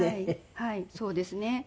はいそうですね。